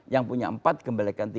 yang punya empat kembalikan tiga